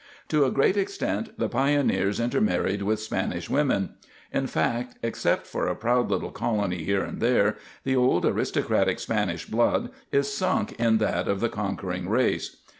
To a great extent the pioneers intermarried with Spanish women; in fact, except for a proud little colony here and there, the old, aristocratic Spanish blood is sunk in that of the conquering race.